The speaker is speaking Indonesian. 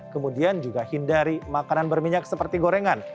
kemudian juga hindari makanan berminyak seperti gorengan